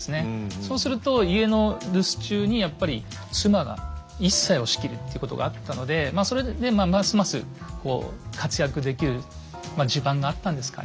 そうすると家の留守中にやっぱり妻が一切を仕切るっていうことがあったのでまあそれでますます活躍できる地盤があったんですかね。